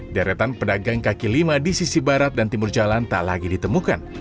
deretan pedagang kaki lima di sisi barat dan timur jalan tak lagi ditemukan